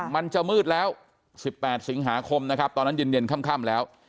มันจะมืดแล้ว๑๘สิงหาคมนะครับตอนนั้นเย็นค่ำแล้ว